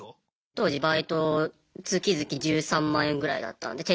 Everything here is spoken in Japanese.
当時バイト月々１３万円ぐらいだったんで手取りが。